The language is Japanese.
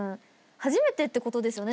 初めてってことですよね？